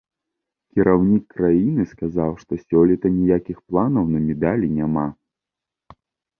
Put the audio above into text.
Кіраўнік краіны сказаў, што сёлета ніякіх планаў на медалі няма.